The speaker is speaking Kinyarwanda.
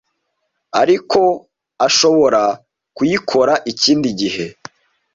ariko ko ashobora kuyikora ikindi gihe.